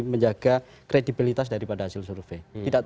menjaga kredibilitas daripada hasil survei